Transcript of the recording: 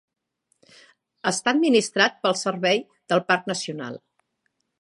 Està administrat pel Servei del Parc Nacional.